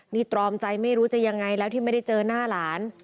นี่ตรอมใจไม่รู้จะยังไงแล้วที่ไม่ได้เจอหน้าหลาน